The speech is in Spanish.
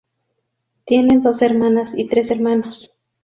Tiene dos hermanas y tres hermanos.